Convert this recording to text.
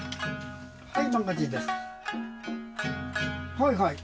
はいはい。